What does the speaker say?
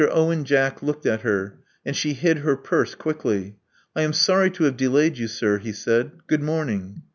Owen Jack looked at her; and she hid her purse quickly. I am sorry to have delayed you, sir," he said. Good morning."